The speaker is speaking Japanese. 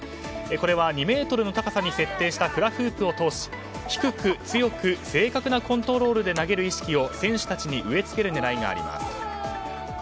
これは、２ｍの高さに設定したフラフープを通し低く、強く正確なコントロールで投げる意識を選手たちに植えつける狙いがあります。